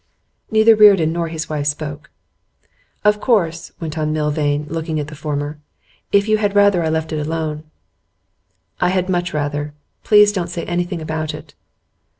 Neither Reardon nor his wife spoke. 'Of course,' went on Milvain, looking at the former, 'if you had rather I left it alone ' 'I had much rather. Please don't say anything about it.